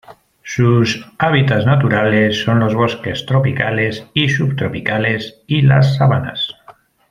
Sus hábitats naturales son los bosques tropicales y subtropicales y las sabanas.